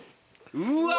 うわ！